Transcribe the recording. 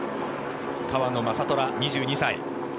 川野将虎、２２歳。